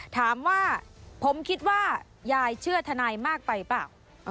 ถามว่าผมคิดว่ายายเชื่อทนายมากไปเปล่า